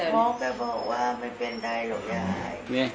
อ๋อแม่บอกว่าไม่เป็นไรหรอกยาย